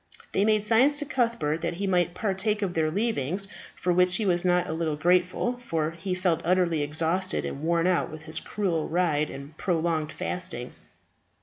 They made signs to Cuthbert that he might partake of their leavings, for which he was not a little grateful, for he felt utterly exhausted and worn out with his cruel ride and prolonged fasting.